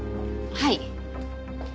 はい。